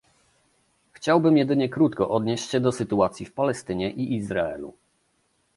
Chciałbym jedynie krótko odnieść się do sytuacji w Palestynie i Izraelu